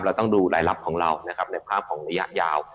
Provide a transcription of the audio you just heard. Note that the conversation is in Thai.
เราต้องดูรายลับของเรานะครับในภาพของระยะยาว